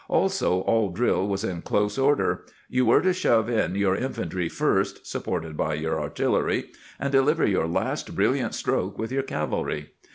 Also all drill was in close order; you were to shove in your infantry first, supported by your artillery, and deliver your last brilliant stroke with your cavalry.